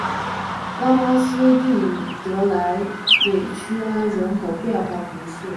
拉巴斯蒂德莱韦屈埃人口变化图示